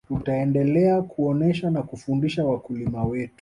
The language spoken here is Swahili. tutaendelea kuonesha na kufundisha wakulima wetu